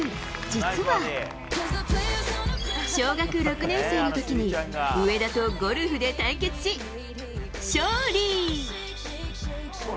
実は、小学６年生のときに、上田とゴルフで対決し、勝利。